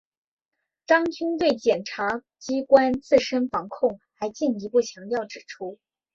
张军对检察机关自身防控还进一步强调指出